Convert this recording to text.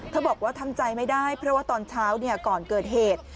บอกว่าทำใจไม่ได้เพราะว่าตอนเช้าก่อนเกิดเหตุ